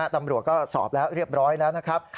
ตำรวจก็สอบแล้วเรียบร้อยแล้วนะครับ